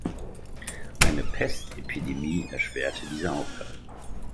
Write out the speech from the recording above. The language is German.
Eine Pestepidemie erschwerte diese Aufgabe.